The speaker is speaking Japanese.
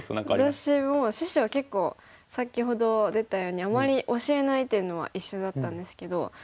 私も師匠結構先ほど出たようにあまり教えないっていうのは一緒だったんですけど。